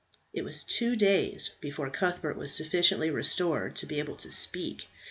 It was two days before Cuthbert was sufficiently restored to be able to speak.